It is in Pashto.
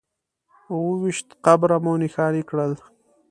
اووه ویشت قبره مو نښانې کړل.